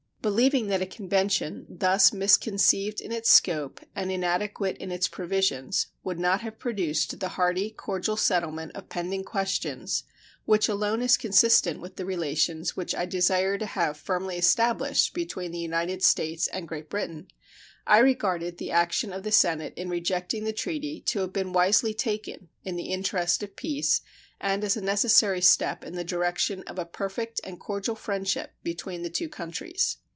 Believing that a convention thus misconceived in its scope and inadequate in its provisions would not have produced the hearty, cordial settlement of pending questions, which alone is consistent with the relations which I desire to have firmly established between the United States and Great Britain, I regarded the action of the Senate in rejecting the treaty to have been wisely taken in the interest of peace and as a necessary step in the direction of a perfect and cordial friendship between the two countries.